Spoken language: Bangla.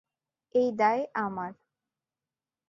এই দায় আমার।